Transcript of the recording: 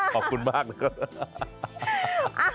ขอบคุณมากนะครับ